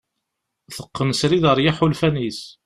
Teqqen srid ɣer yiḥulfan-is.